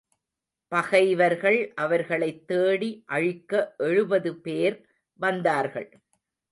பகைவர்கள் அவர்களைத் தேடி அழிக்க எழுபது பேர் வந்தார்கள்.